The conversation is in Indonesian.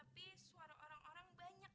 permisi apa ya